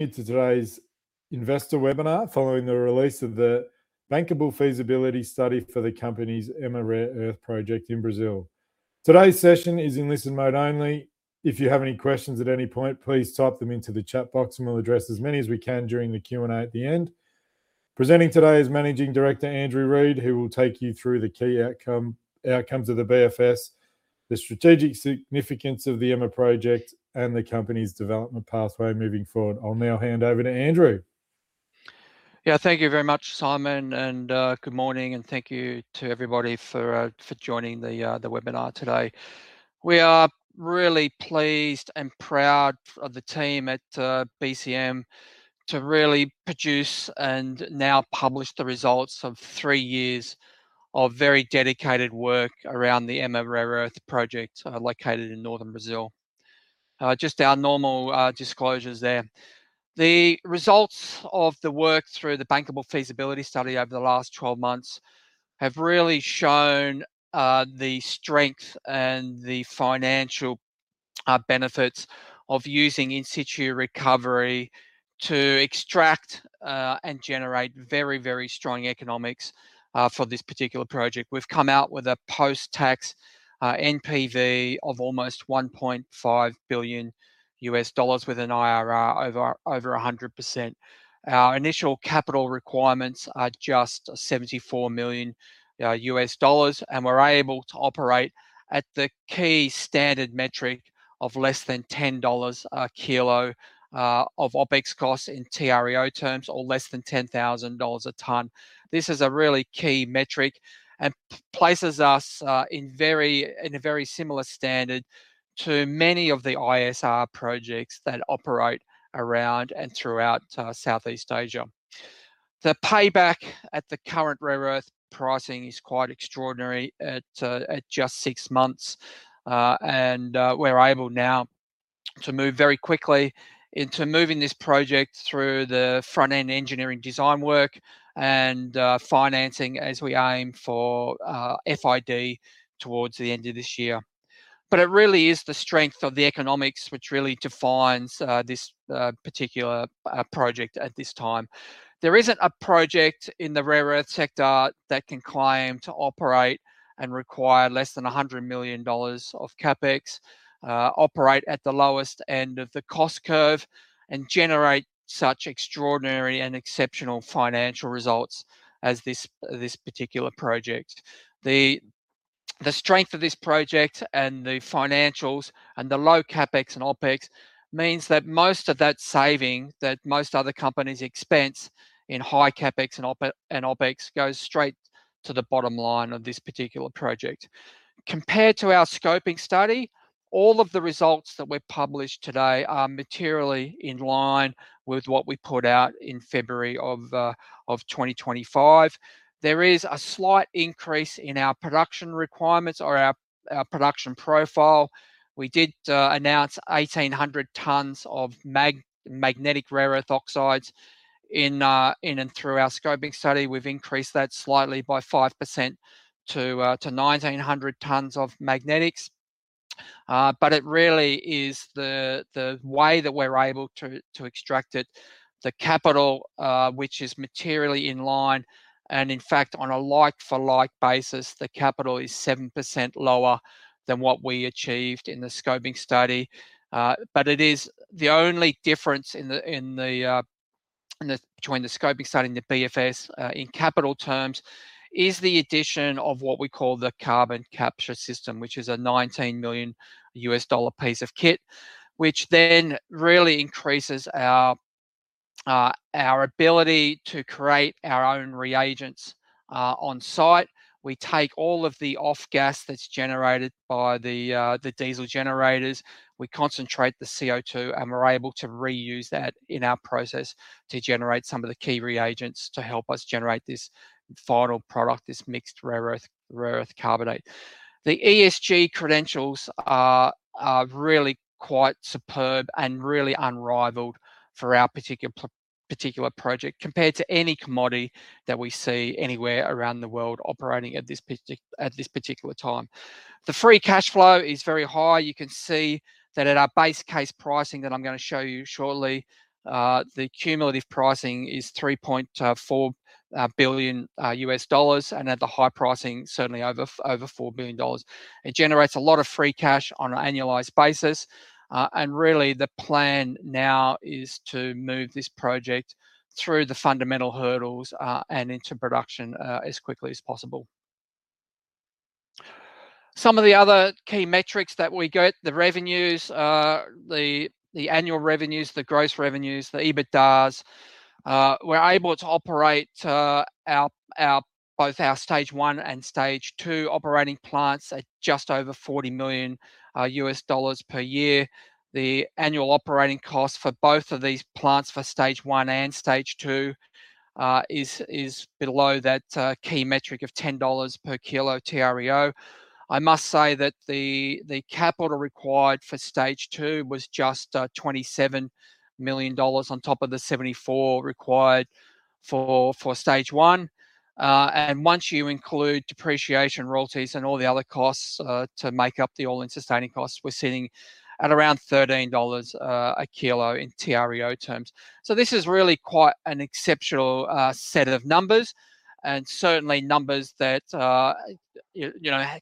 Welcome to today's investor webinar following the release of the bankable feasibility study for the company's Ema Rare Earth Project in Brazil. Today's session is in listen mode only. If you have any questions at any point, please type them into the chat box and we'll address as many as we can during the Q&A at the end. Presenting today is Managing Director Andrew Reid, who will take you through the key outcomes of the BFS, the strategic significance of the Ema Project, and the company's development pathway moving forward. I'll now hand over to Andrew. Thank you very much, Simon. Good morning, and thank you to everybody for joining the webinar today. We are really pleased and proud of the team at BCM to really produce and now publish the results of three years of very dedicated work around the Ema Rare Earth Project located in Northern Brazil. Just our normal disclosures there. The results of the work through the bankable feasibility study over the last 12 months have really shown the strength and the financial benefits of using in situ recovery to extract and generate very, very strong economics for this particular project. We've come out with a post-tax NPV of almost $1.5 billion with an IRR over 100%. Our initial capital requirements are just $74 million. We're able to operate at the key standard metric of less than $10 a kilo of OpEx costs in TREO terms or less than $10,000 a ton. This is a really key metric and places us in a very similar standard to many of the ISR projects that operate around and throughout Southeast Asia. The payback at the current rare earth pricing is quite extraordinary at just six months. We're able now to move very quickly into moving this project through the front-end engineering design work and financing as we aim for FID towards the end of this year. It really is the strength of the economics which really defines this particular project at this time. There isn't a project in the rare earth sector that can claim to operate and require less than $100 million of CapEx, operate at the lowest end of the cost curve, and generate such extraordinary and exceptional financial results as this particular project. The strength of this project and the financials and the low CapEx and OpEx means that most of that saving that most other companies expense in high CapEx and OpEx goes straight to the bottom line of this particular project. Compared to our scoping study, all of the results that we've published today are materially in line with what we put out in February of 2025. There is a slight increase in our production requirements or our production profile. We did announce 1,800 tons of magnetic rare earth oxides in and through our scoping study. We've increased that slightly by 5% to 1,900 tons of magnetics. It really is the way that we're able to extract it, the capital which is materially in line, and in fact, on a like-for-like basis, the capital is 7% lower than what we achieved in the scoping study. It is the only difference between the scoping study and the BFS, in capital terms, is the addition of what we call the carbon capture system, which is a $19 million piece of kit, which then really increases our ability to create our own reagents on-site. We take all of the off gas that's generated by the diesel generators. We concentrate the CO2, and we're able to reuse that in our process to generate some of the key reagents to help us generate this final product, this mixed rare earth carbonate. The ESG credentials are really quite superb and really unrivaled for our particular project compared to any commodity that we see anywhere around the world operating at this particular time. The free cash flow is very high. You can see that at our base case pricing that I'm going to show you shortly, the cumulative pricing is $3.4 billion, and at the high pricing, certainly over $4 billion. It generates a lot of free cash on an annualized basis. Really the plan now is to move this project through the fundamental hurdles, and into production as quickly as possible. Some of the other key metrics that we get, the revenues, the annual revenues, the gross revenues, the EBITDAs. We're able to operate both our stage 1 and stage 2 operating plants at just over $40 million per year. The annual operating cost for both of these plants for stage 1 and stage 2 is below that key metric of $10 per kilo TREO. I must say that the capital required for stage 2 was just $27 million on top of the 74 required for stage 1. Once you include depreciation, royalties, and all the other costs to make up the all-in sustaining costs, we're sitting at around $13 a kilo in TREO terms. This is really quite an exceptional set of numbers, and certainly numbers that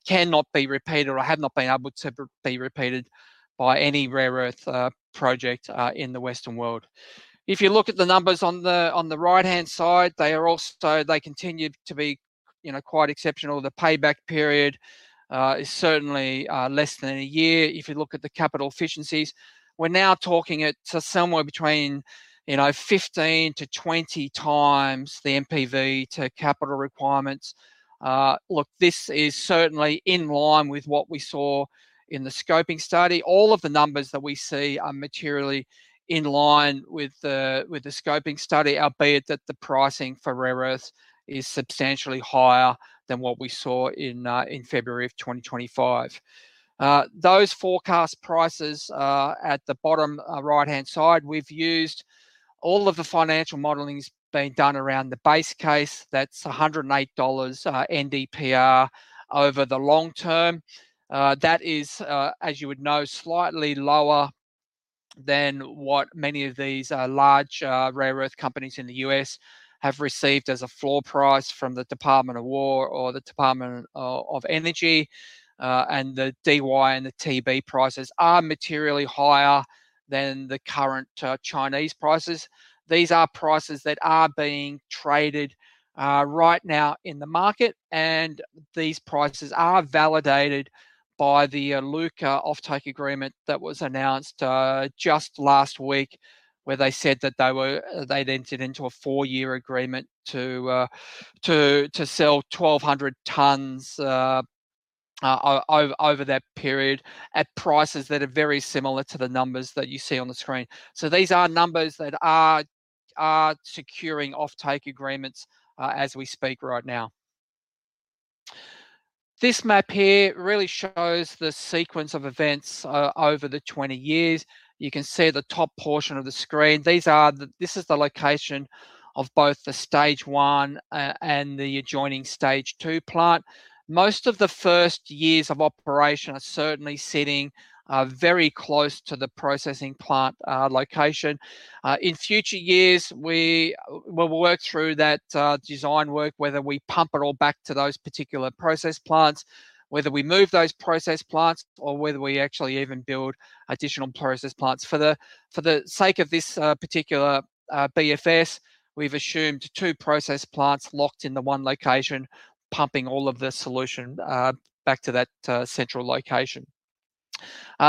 cannot be repeated or have not been able to be repeated by any rare earth project in the Western world. If you look at the numbers on the right-hand side, they continue to be quite exceptional. The payback period is certainly less than a year. If you look at the capital efficiencies, we're now talking it to somewhere between 15x-20x the NPV to capital requirements. Look, this is certainly in line with what we saw in the scoping study. All of the numbers that we see are materially in line with the scoping study, albeit that the pricing for rare earths is substantially higher than what we saw in February of 2025. Those forecast prices are at the bottom right-hand side. We've used all of the financial modeling that's been done around the base case. That's $108 NdPr over the long term. That is, as you would know, slightly lower than what many of these large rare earth companies in the U.S. have received as a floor price from the Department of Defense or the Department of Energy, the DY and the TB prices are materially higher than the current Chinese prices. These are prices that are being traded right now in the market, and these prices are validated by the Iluka offtake agreement that was announced just last week, where they said that they'd entered into a four-year agreement to sell 1,200 tons over that period at prices that are very similar to the numbers that you see on the screen. These are numbers that are securing offtake agreements as we speak right now. This map here really shows the sequence of events over the 20 years. You can see the top portion of the screen. This is the location of both the stage 1 and the adjoining stage 2 plant. Most of the first years of operation are certainly sitting very close to the processing plant location. In future years, we will work through that design work, whether we pump it all back to those particular process plants, whether we move those process plants, or whether we actually even build additional process plants. For the sake of this particular BFS, we've assumed two process plants locked into one location, pumping all of the solution back to that central location.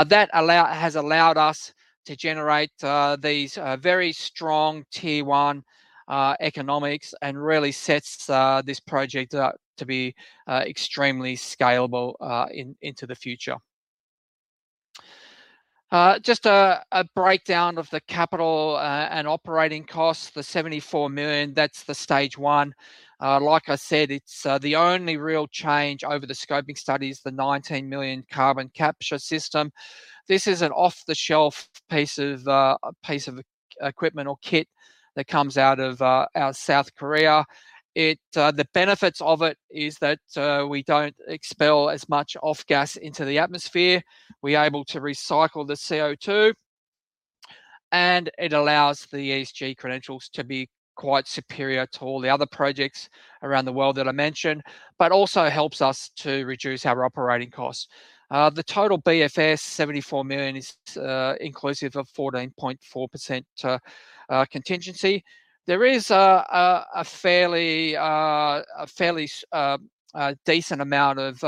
That has allowed us to generate these very strong tier 1 economics and really sets this project up to be extremely scalable into the future. Just a breakdown of the capital and operating costs. The $74 million, that's the stage 1. Like I said, it's the only real change over the scoping study is the $19 million carbon capture system. This is an off-the-shelf piece of equipment or kit that comes out of South Korea. The benefits of it is that we don't expel as much off gas into the atmosphere, we are able to recycle the CO2, and it allows the ESG credentials to be quite superior to all the other projects around the world that I mentioned, but also helps us to reduce our operating costs. The total BFS, $74 million, is inclusive of 14.4% contingency. There is a fairly decent amount of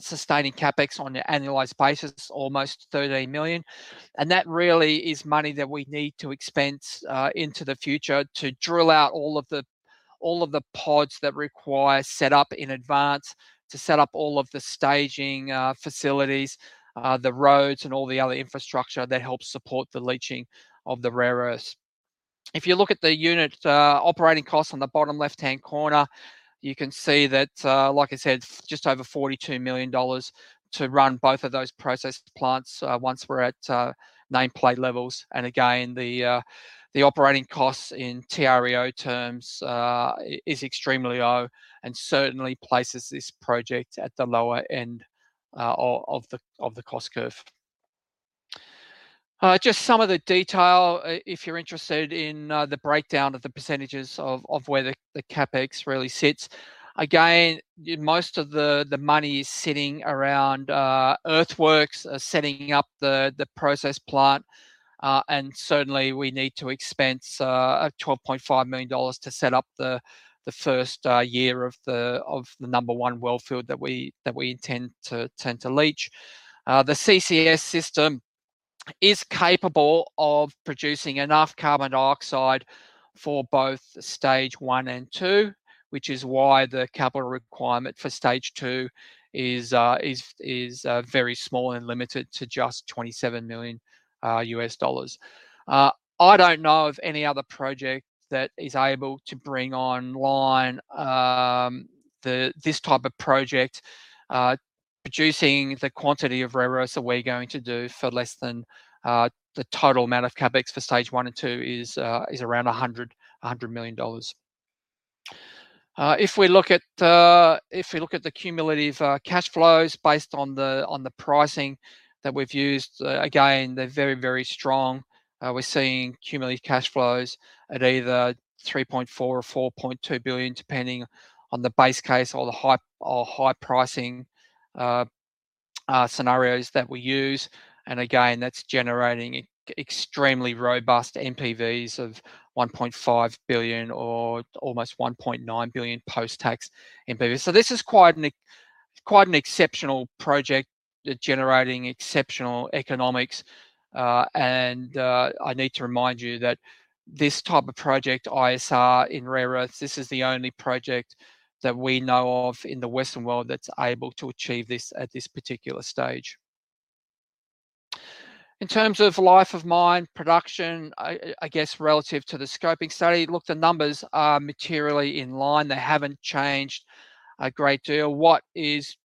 sustaining CapEx on an annualized basis, almost $13 million. That really is money that we need to expense into the future to drill out all of the pods that require set up in advance, to set up all of the staging facilities, the roads, and all the other infrastructure that helps support the leaching of the rare earths. If you look at the unit operating costs on the bottom left-hand corner, you can see that, like I said, just over $42 million to run both of those process plants once we're at nameplate levels. Again, the operating costs in TREO terms is extremely low and certainly places this project at the lower end of the cost curve. Just some of the detail, if you're interested in the breakdown of the percentages of where the CapEx really sits. Again, most of the money is sitting around earthworks, setting up the process plant. Certainly, we need to expense $12.5 million to set up the first year of the number one well field that we intend to leach. The CCS system is capable of producing enough carbon dioxide for both stage 1 and 2, which is why the capital requirement for stage 2 is very small and limited to just $27 million. I don't know of any other project that is able to bring online this type of project. Producing the quantity of rare earths that we're going to do for less than the total amount of CapEx for stage 1 and 2 is around $100 million. If we look at the cumulative cash flows based on the pricing that we've used, again, they're very, very strong. We're seeing cumulative cash flows at either $3.4 billion or $4.2 billion, depending on the base case or high pricing scenarios that we use. Again, that's generating extremely robust NPVs of $1.5 billion or almost $1.9 billion post-tax NPV. This is quite an exceptional project generating exceptional economics. I need to remind you that this type of project, ISR in rare earths, this is the only project that we know of in the Western world that's able to achieve this at this particular stage. In terms of life of mine production, I guess relative to the scoping study, look, the numbers are materially in line. They haven't changed a great deal. What is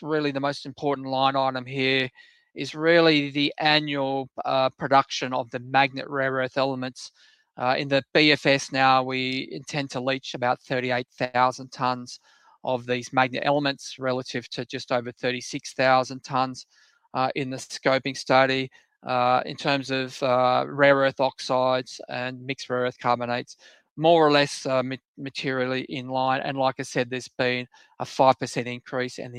really the most important line item here is really the annual production of the magnet rare earth elements. In the BFS now, we intend to leach about 38,000 tons of these magnet elements relative to just over 36,000 tons in the scoping study. In terms of rare earth oxides and mixed rare earth carbonates, more or less materially in line. Like I said, there's been a 5% increase in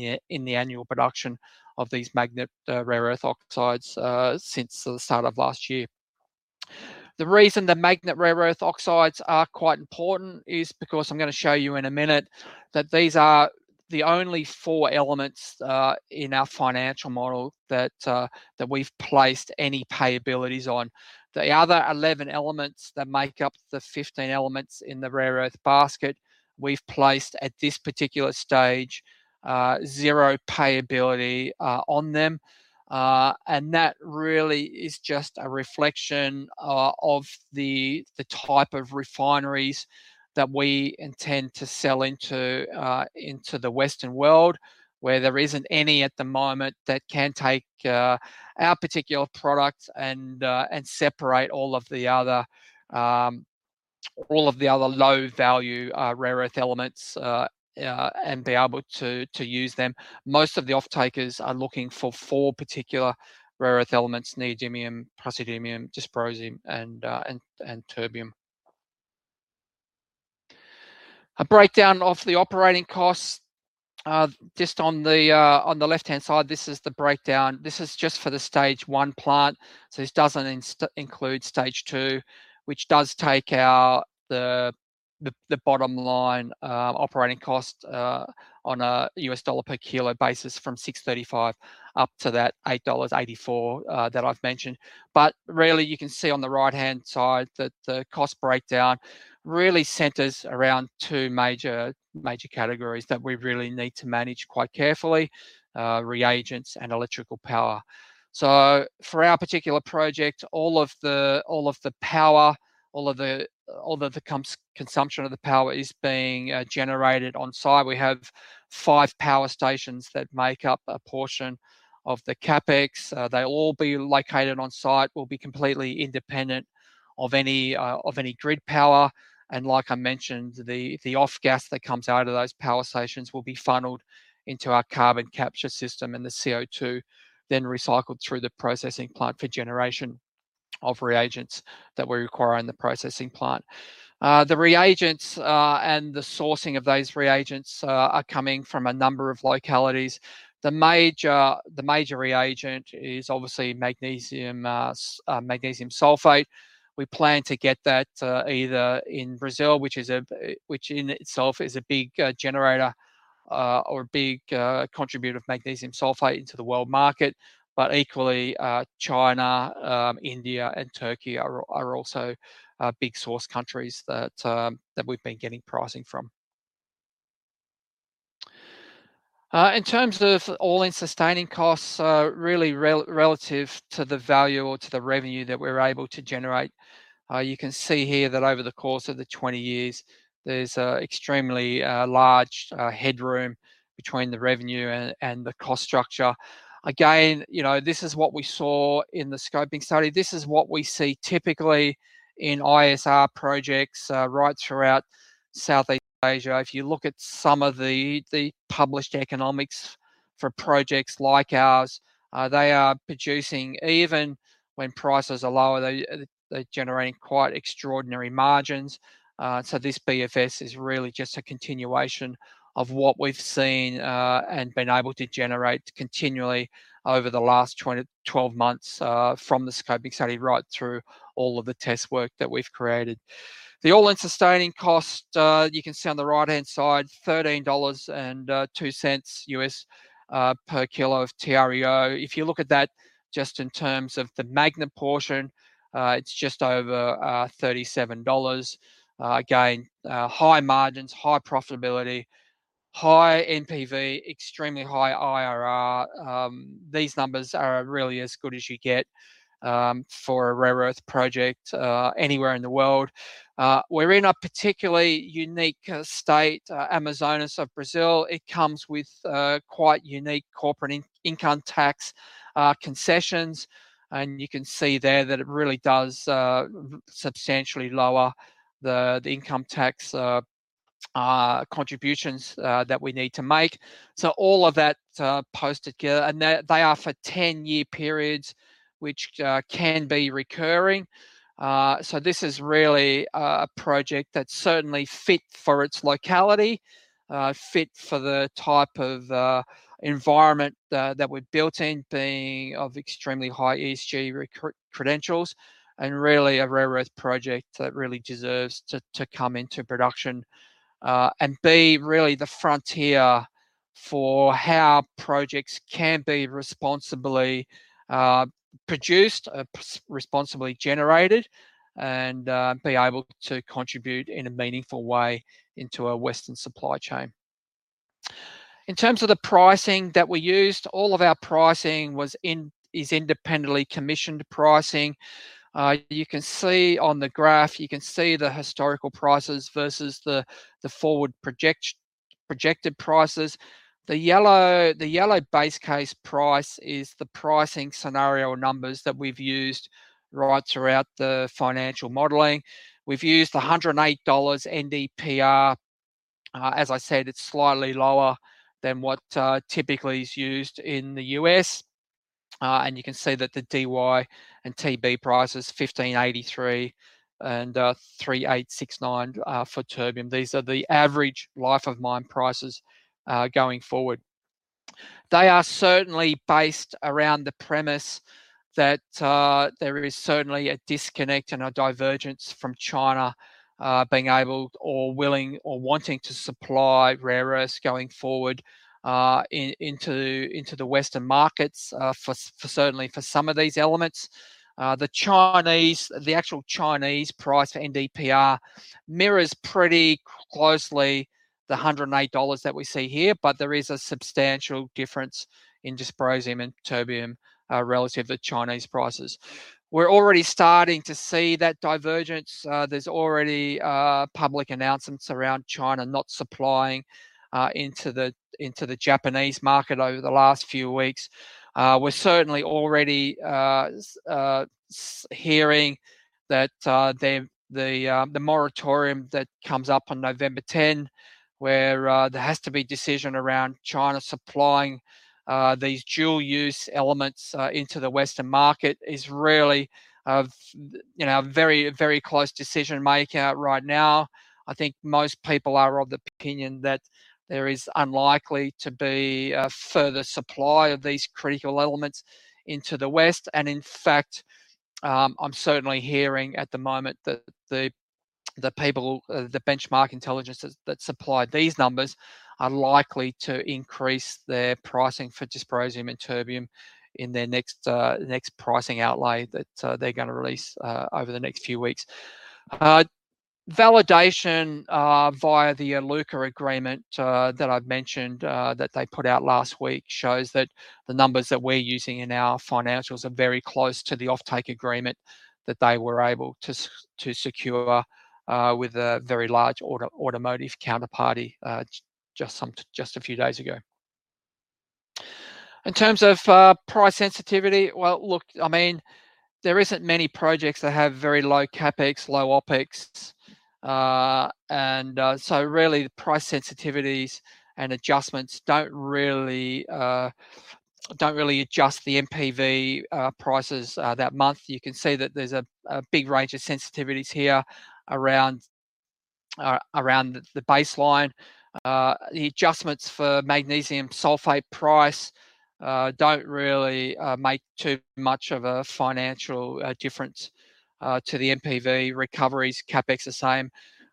the annual production of these magnet rare earth oxides since the start of last year. The reason the magnet rare earth oxides are quite important is because I'm going to show you in a minute that these are the only four elements in our financial model that we've placed any payabilities on. The other 11 elements that make up the 15 elements in the rare earth basket, we've placed at this particular stage, zero payability on them. That really is just a reflection of the type of refineries that we intend to sell into the Western world, where there isn't any at the moment that can take our particular product and separate all of the other low-value rare earth elements, and be able to use them. Most of the off-takers are looking for four particular rare earth elements, neodymium, praseodymium, dysprosium, and terbium. A breakdown of the operating costs. Just on the left-hand side, this is the breakdown. This is just for the stage 1 plant. This doesn't include stage 2, which does take out the bottom line operating cost on a USD per kilo basis from $6.35 up to that $8.84 that I've mentioned. You can see on the right-hand side that the cost breakdown really centers around two major categories that we really need to manage quite carefully, reagents and electrical power. For our particular project, all of the power, all of the consumption of the power is being generated on-site. We have five power stations that make up a portion of the CapEx. They'll all be located on-site. We'll be completely independent of any grid power. Like I mentioned, the off gas that comes out of those power stations will be funneled into our carbon capture system, and the CO2 then recycled through the processing plant for generation of reagents that we require in the processing plant. The reagents and the sourcing of those reagents are coming from a number of localities. The major reagent is obviously magnesium sulfate. We plan to get that either in Brazil, which in itself is a big generator or a big contributor of magnesium sulfate into the world market. Equally, China, India, and Turkey are also big source countries that we've been getting pricing from. In terms of all-in sustaining costs, really relative to the value or to the revenue that we're able to generate. You can see here that over the course of the 20 years, there's extremely large headroom between the revenue and the cost structure. Again, this is what we saw in the scoping study. This is what we see typically in ISR projects right throughout Southeast Asia. If you look at some of the published economics for projects like ours, they are producing, even when prices are lower, they're generating quite extraordinary margins. This BFS is really just a continuation of what we've seen and been able to generate continually over the last 12 months from the scoping study right through all of the test work that we've created. The all-in sustaining cost, you can see on the right-hand side, $13.02 U.S. per kilo of TREO. If you look at that just in terms of the magnet portion, it's just over $37. Again, high margins, high profitability, high NPV, extremely high IRR. These numbers are really as good as you get for a rare earth project anywhere in the world. We're in a particularly unique state, Amazonas of Brazil. It comes with quite unique corporate income tax concessions, you can see there that it really does substantially lower the income tax contributions that we need to make. All of that posted here, they are for 10-year periods, which can be recurring. This is really a project that's certainly fit for its locality, fit for the type of environment that we're built in, being of extremely high ESG credentials, really a rare earth project that really deserves to come into production and be really the frontier for how projects can be responsibly produced, responsibly generated, and be able to contribute in a meaningful way into a Western supply chain. In terms of the pricing that we used, all of our pricing is independently commissioned pricing. You can see on the graph, you can see the historical prices versus the forward projected prices. The yellow base case price is the pricing scenario numbers that we've used right throughout the financial modeling. We've used the $108 NdPr. As I said, it's slightly lower than what typically is used in the U.S., and you can see that the Dy and Tb price is $1,583 and $3,869 for terbium. These are the average life of mine prices going forward. They are certainly based around the premise that there is certainly a disconnect and a divergence from China being able or willing or wanting to supply rare earths going forward into the Western markets certainly for some of these elements. The actual Chinese price for NdPr mirrors pretty closely the $108 that we see here, but there is a substantial difference in dysprosium and terbium relative to Chinese prices. We're already starting to see that divergence. There's already public announcements around China not supplying into the Japanese market over the last few weeks. We're certainly already hearing that the moratorium that comes up on November 10, where there has to be a decision around China supplying these dual-use elements into the Western market, is really a very close decision making right now. I think most people are of the opinion that there is unlikely to be further supply of these critical elements into the West. In fact, I'm certainly hearing at the moment that the Benchmark Mineral Intelligence that supply these numbers are likely to increase their pricing for dysprosium and terbium in their next pricing outlay that they're going to release over the next few weeks. Validation via the Iluka agreement that I've mentioned, that they put out last week shows that the numbers that we're using in our financials are very close to the offtake agreement that they were able to secure with a very large automotive counterparty just a few days ago. In terms of price sensitivity. Well, look, there isn't many projects that have very low CapEx, low OpEx. Really, the price sensitivities and adjustments don't really adjust the NPV prices that month. You can see that there's a big range of sensitivities here around the baseline. The adjustments for magnesium sulfate price don't really make too much of a financial difference to the NPV recoveries. CapEx the same.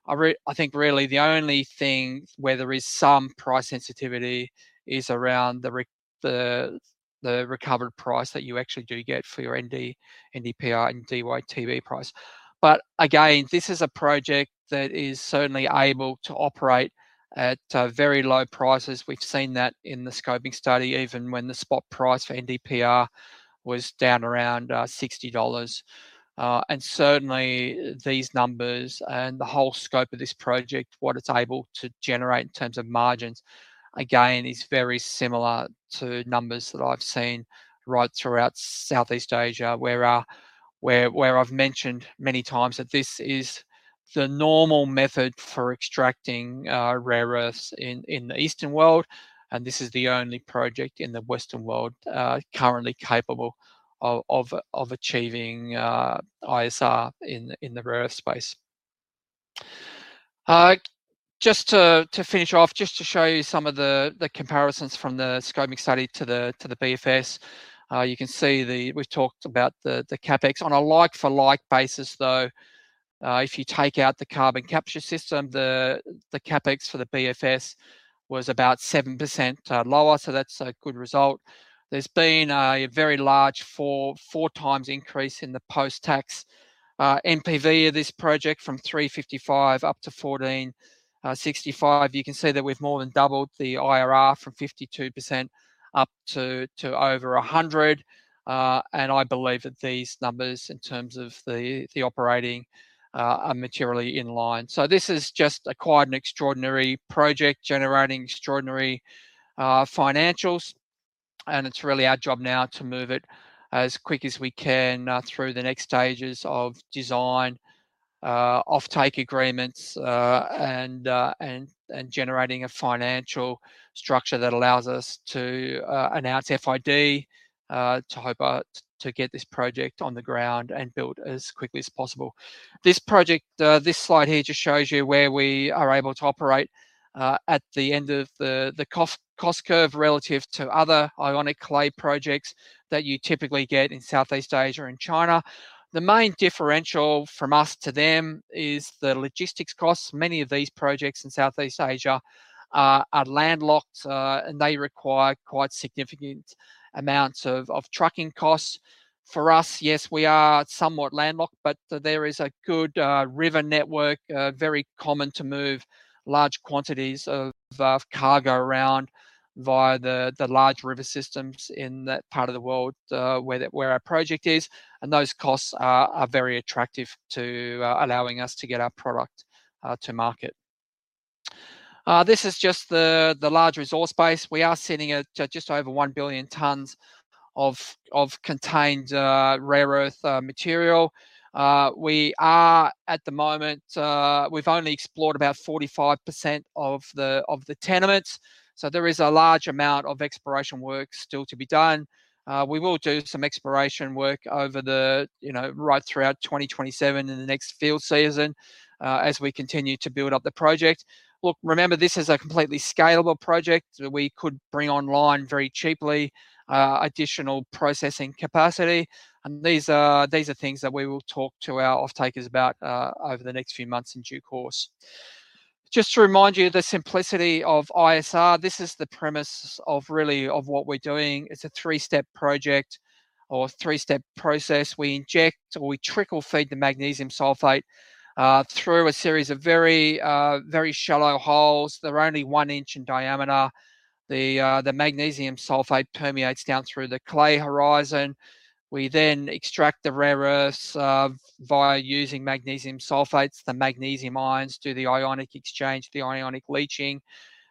I think really the only thing where there is some price sensitivity is around the recovered price that you actually do get for your NdPr and DyTb price. But again, this is a project that is certainly able to operate at very low prices. We've seen that in the scoping study, even when the spot price for NdPr was down around $60. Certainly, these numbers and the whole scope of this project, what it's able to generate in terms of margins, again, is very similar to numbers that I've seen right throughout Southeast Asia, where I've mentioned many times that this is the normal method for extracting rare earths in the Eastern world, and this is the only project in the Western world currently capable of achieving ISR in the rare earth space. Just to finish off, just to show you some of the comparisons from the scoping study to the BFS. You can see we've talked about the CapEx. On a like-for-like basis, though If you take out the carbon capture system, the CapEx for the BFS was about 7% lower. That's a good result. There's been a very large four times increase in the post-tax NPV of this project from $355 up to $1,465. You can see that we've more than doubled the IRR from 52% up to over 100%. I believe that these numbers, in terms of the operating, are materially in line. This is just quite an extraordinary project generating extraordinary financials, and it's really our job now to move it as quick as we can through the next stages of design, offtake agreements, and generating a financial structure that allows us to announce FID to hope to get this project on the ground and built as quickly as possible. This slide here just shows you where we are able to operate at the end of the cost curve relative to other ionic clay projects that you typically get in Southeast Asia and China. The main differential from us to them is the logistics costs. Many of these projects in Southeast Asia are landlocked, and they require quite significant amounts of trucking costs. For us, yes, we are somewhat landlocked, but there is a good river network, very common to move large quantities of cargo around via the large river systems in that part of the world where our project is. Those costs are very attractive to allowing us to get our product to market. This is just the large resource base. We are sitting at just over 1 billion tons of contained rare earth material. At the moment, we've only explored about 45% of the tenements. There is a large amount of exploration work still to be done. We will do some exploration work right throughout 2027 in the next field season as we continue to build up the project. Look, remember, this is a completely scalable project that we could bring online very cheaply, additional processing capacity. These are things that we will talk to our offtakers about over the next few months in due course. Just to remind you of the simplicity of ISR. This is the premise of what we're doing. It's a three-step project or three-step process. We inject or we trickle feed the magnesium sulfate through a series of very shallow holes. They're only one inch in diameter. The magnesium sulfate permeates down through the clay horizon. We then extract the rare earths via using magnesium sulfates. The magnesium ions do the ionic exchange, the ionic leaching.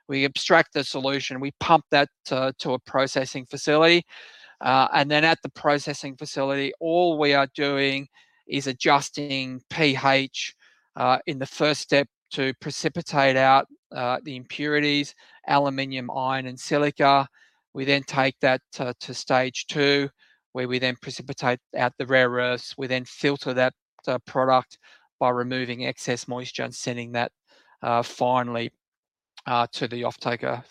We extract the solution. We pump that to a processing facility. At the processing facility, all we are doing is adjusting pH in the first step to precipitate out the impurities, aluminum, iron, and silica. We then take that to stage 2, where we then precipitate out the rare earths. We then filter that product by removing excess moisture and sending that finally to the offtaker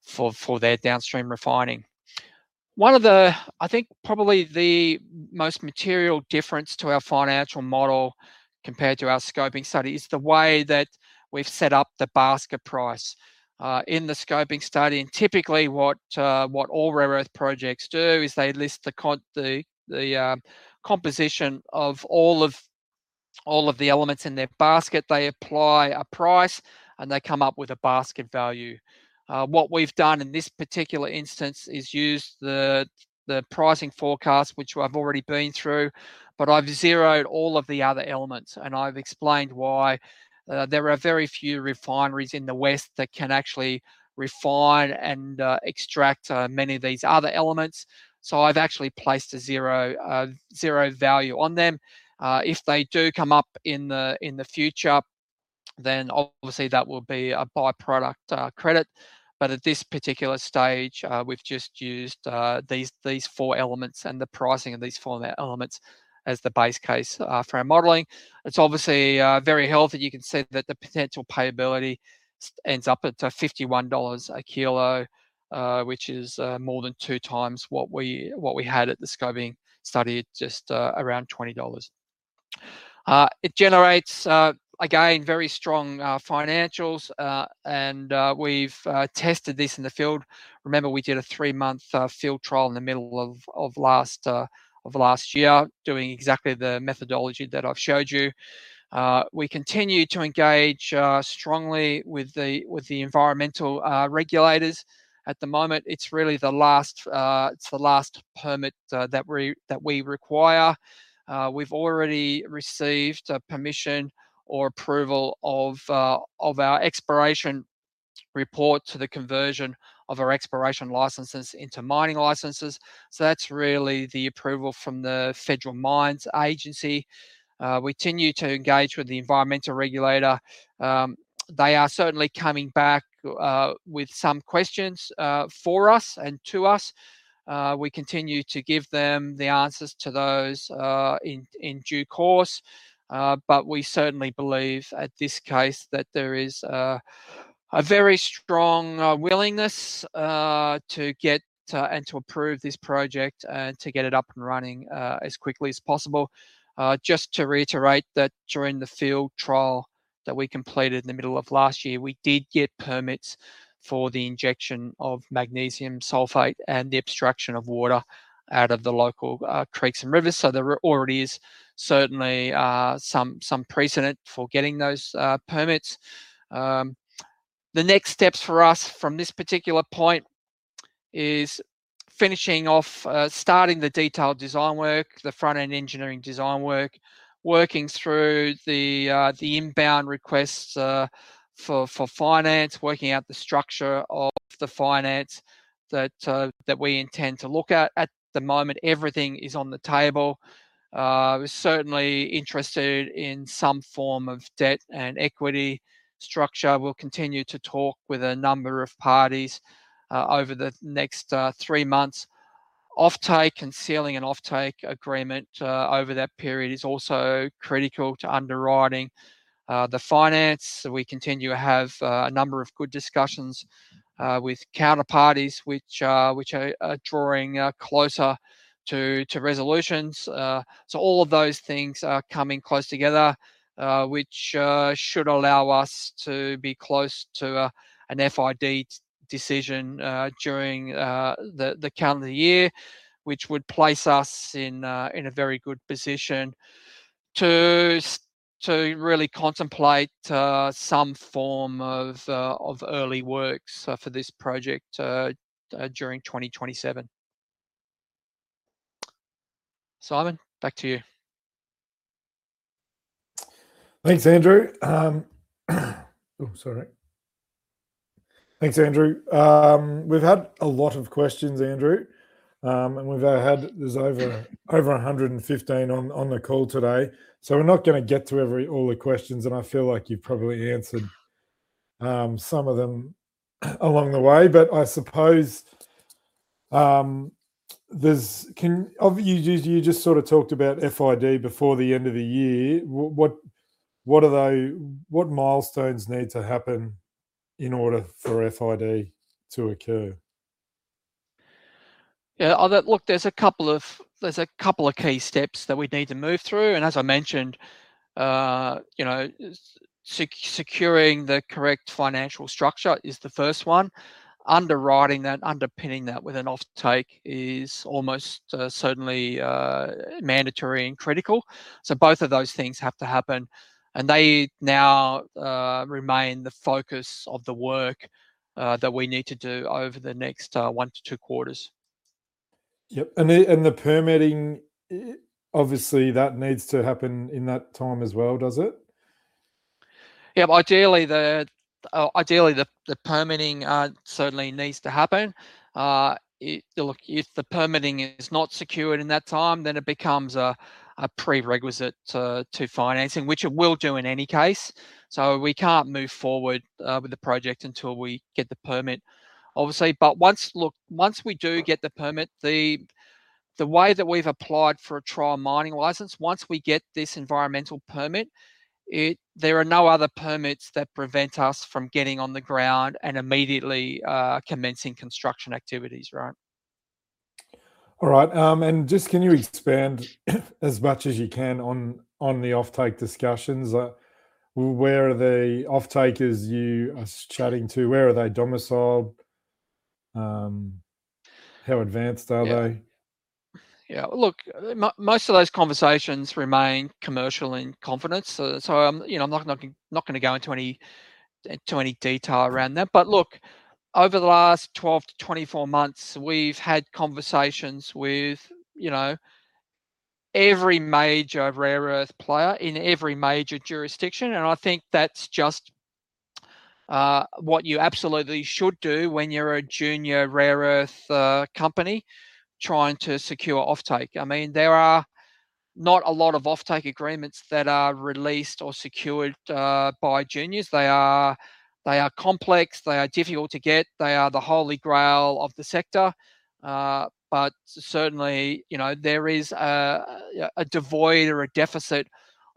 for their downstream refining. I think probably the most material difference to our financial model compared to our scoping study is the way that we've set up the basket price in the scoping study. Typically, what all rare earth projects do is they list the composition of all of the elements in their basket. They apply a price, and they come up with a basket value. What we've done in this particular instance is used the pricing forecast, which I've already been through, but I've zeroed all of the other elements, and I've explained why. There are very few refineries in the West that can actually refine and extract many of these other elements. I've actually placed a zero value on them. If they do come up in the future, then obviously that will be a byproduct credit. At this particular stage, we've just used these four elements and the pricing of these four elements as the base case for our modeling. It's obviously very healthy. You can see that the potential payability ends up at $51 a kilo, which is more than 2x what we had at the scoping study at just around $20. It generates, again, very strong financials, and we've tested this in the field. Remember, we did a three-month field trial in the middle of last year, doing exactly the methodology that I've showed you. We continue to engage strongly with the environmental regulators. At the moment, it's the last permit that we require. We've already received permission or approval of our exploration report to the conversion of our exploration licenses into mining licenses. That's really the approval from the National Mining Agency. We continue to engage with the environmental regulator. They are certainly coming back with some questions for us and to us. We continue to give them the answers to those in due course. We certainly believe at this case that there is a very strong willingness to get and to approve this project and to get it up and running as quickly as possible. Just to reiterate that during the field trial that we completed in the middle of last year, we did get permits for the injection of magnesium sulfate and the abstraction of water out of the local creeks and rivers. There already is certainly some precedent for getting those permits. The next steps for us from this particular point is starting the detailed design work, the front-end engineering design work, working through the inbound requests for finance, working out the structure of the finance that we intend to look at. At the moment, everything is on the table. We're certainly interested in some form of debt and equity structure. We'll continue to talk with a number of parties over the next three months. Off-take and sealing an off-take agreement over that period is also critical to underwriting the finance. We continue to have a number of good discussions with counterparties, which are drawing closer to resolutions. All of those things are coming close together, which should allow us to be close to an FID decision during the calendar year, which would place us in a very good position to really contemplate some form of early works for this project during 2027. Simon, back to you. Sorry. Thanks, Andrew. We've had a lot of questions, Andrew, there's over 115 on the call today. We're not going to get through all the questions and I feel like you've probably answered some of them along the way. I suppose, you just sort of talked about FID before the end of the year. What milestones need to happen in order for FID to occur? Yeah, look, there's a couple of key steps that we'd need to move through. As I mentioned, securing the correct financial structure is the first one. Underwriting that, underpinning that with an off-take is almost certainly mandatory and critical. Both of those things have to happen, they now remain the focus of the work that we need to do over the next one to two quarters. Yep. The permitting, obviously that needs to happen in that time as well, does it? Yeah. Ideally, the permitting certainly needs to happen. Look, if the permitting is not secured in that time, it becomes a prerequisite to financing, which it will do in any case. We can't move forward with the project until we get the permit, obviously. Look, once we do get the permit, the way that we've applied for a trial mining license, once we get this environmental permit, there are no other permits that prevent us from getting on the ground and immediately commencing construction activities. Right? Just can you expand as much as you can on the off-take discussions? Where are the off-takers you are chatting to? Where are they domiciled? How advanced are they? Yeah. Look, most of those conversations remain commercial in confidence. I'm not going to go into any detail around that. Look, over the last 12-24 months, we've had conversations with every major rare earth player in every major jurisdiction, and I think that's just what you absolutely should do when you're a junior rare earth company trying to secure off-take. There are not a lot of off-take agreements that are released or secured by juniors. They are complex, they are difficult to get. They are the holy grail of the sector. Certainly, there is a devoid or a deficit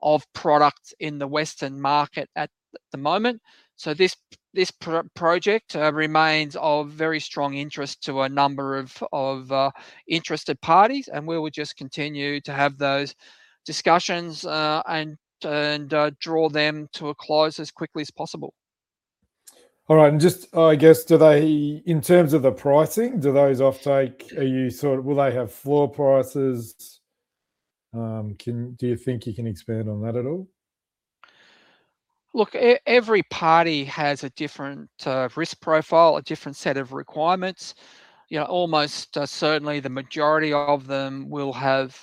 of product in the Western market at the moment. This project remains of very strong interest to a number of interested parties, and we will just continue to have those discussions and draw them to a close as quickly as possible. All right. Just, I guess, in terms of the pricing, do those off-take, will they have floor prices? Do you think you can expand on that at all? Look, every party has a different risk profile, a different set of requirements. Almost certainly the majority of them will have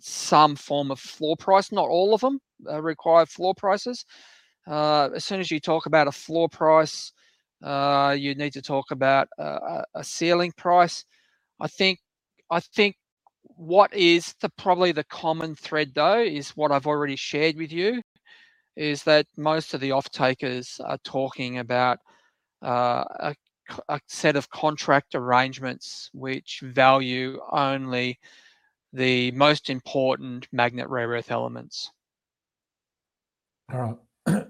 some form of floor price. Not all of them require floor prices. As soon as you talk about a floor price, you need to talk about a ceiling price. I think what is probably the common thread, though, is what I've already shared with you, is that most of the off-takers are talking about a set of contract arrangements which value only the most important magnet rare earth elements. All right.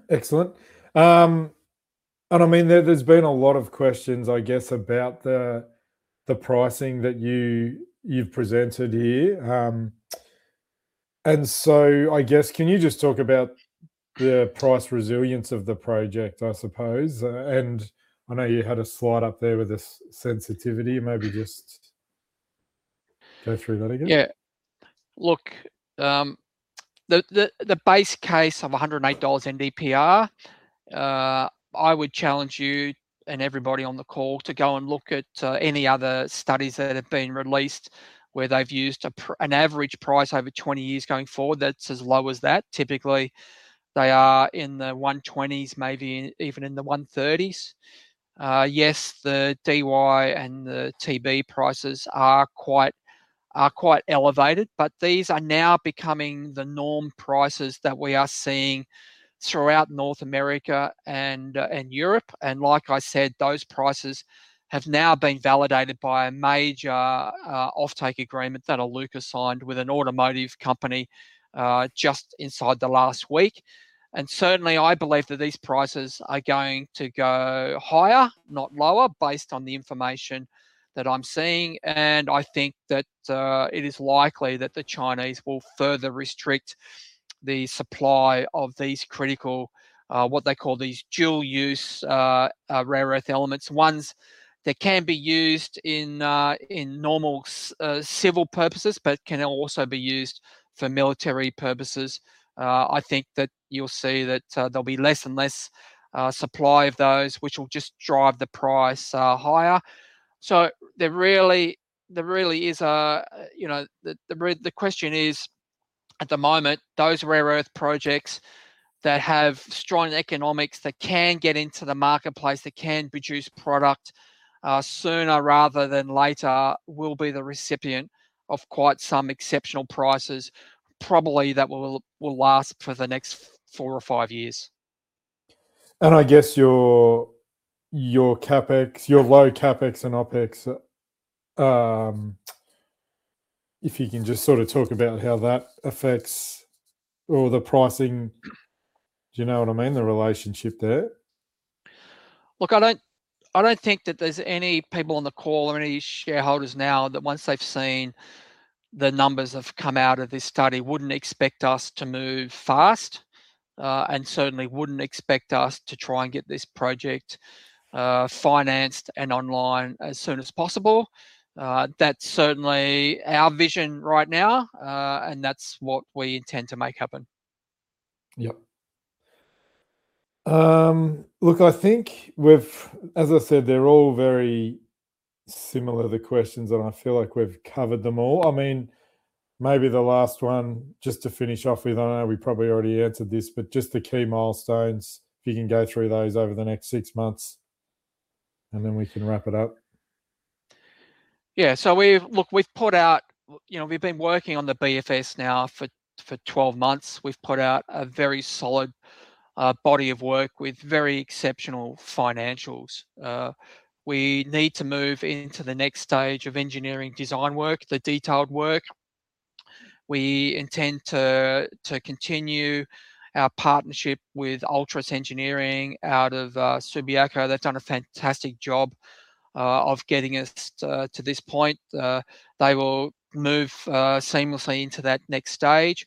Excellent. There's been a lot of questions, I guess, about the pricing that you've presented here. I guess, can you just talk about the price resilience of the project, I suppose? I know you had a slide up there with this sensitivity, maybe just go through that again. Yeah. Look, the base case of $108 NdPr, I would challenge you and everybody on the call to go and look at any other studies that have been released where they've used an average price over 20 years going forward that's as low as that. Typically, they are in the 120s, maybe even in the 130s. Yes, the DY and the TB prices are quite elevated, but these are now becoming the norm prices that we are seeing throughout North America and Europe. Like I said, those prices have now been validated by a major offtake agreement that Iluka signed with an automotive company just inside the last week. Certainly, I believe that these prices are going to go higher, not lower, based on the information that I'm seeing. I think that it is likely that the Chinese will further restrict the supply of these critical, what they call these dual-use, rare earth elements. Ones that can be used in normal civil purposes, but can also be used for military purposes. I think that you'll see that there'll be less and less supply of those, which will just drive the price higher. The question is, at the moment, those rare earth projects that have strong economics, that can get into the marketplace, that can produce product sooner rather than later, will be the recipient of quite some exceptional prices, probably that will last for the next four or five years. I guess your CapEx, your low CapEx and OpEx, if you can just sort of talk about how that affects all the pricing. Do you know what I mean, the relationship there? Look, I don't think that there's any people on the call or any shareholders now that once they've seen the numbers that have come out of this study, wouldn't expect us to move fast. Certainly wouldn't expect us to try and get this project financed and online as soon as possible. That's certainly our vision right now, and that's what we intend to make happen. Yep. Look, I think as I said, they're all very similar, the questions. I feel like we've covered them all. Maybe the last one, just to finish off with, I know we probably already answered this, just the key milestones, if you can go through those over the next six months, then we can wrap it up. Yeah. Look, we've been working on the BFS now for 12 months. We've put out a very solid body of work with very exceptional financials. We need to move into the next stage of engineering design work, the detailed work. We intend to continue our partnership with Altris Engineering out of Subiaco. They've done a fantastic job of getting us to this point. They will move seamlessly into that next stage.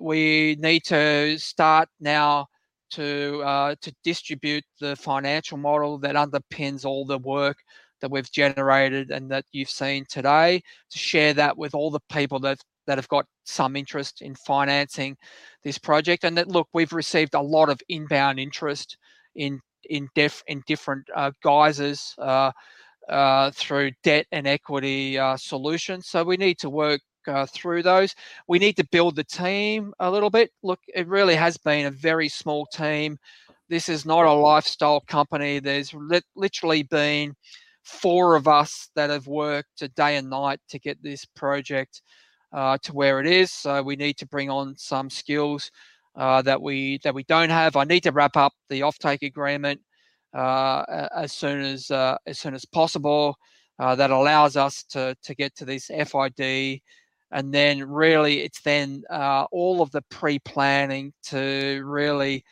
We need to start now to distribute the financial model that underpins all the work that we've generated and that you've seen today to share that with all the people that have got some interest in financing this project. Look, we've received a lot of inbound interest in different guises, through debt and equity solutions. We need to work through those. We need to build the team a little bit. Look, it really has been a very small team. This is not a lifestyle company. There's literally been four of us that have worked day and night to get this project to where it is. We need to bring on some skills that we don't have. I need to wrap up the offtake agreement as soon as possible. That allows us to get to this FID, then really it's then all of the pre-planning to really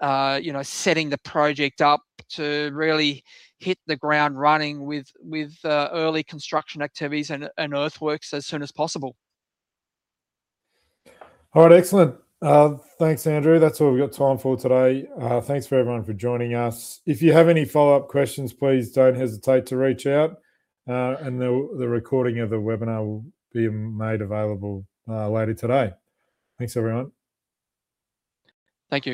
set the project up to really hit the ground running with early construction activities and earthworks as soon as possible. All right. Excellent. Thanks, Andrew. That's all we've got time for today. Thanks everyone for joining us. If you have any follow-up questions, please don't hesitate to reach out. The recording of the webinar will be made available later today. Thanks, everyone. Thank you